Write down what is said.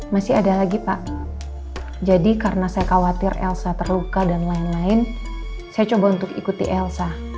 masih ada lagi pak jadi karena saya khawatir elsa terluka dan lain lain saya coba untuk ikuti elsa